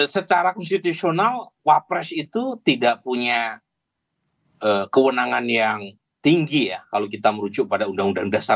secara konstitusional wapres itu tidak punya kewenangan yang tinggi ya kalau kita merujuk pada undang undang dasar seribu sembilan ratus empat puluh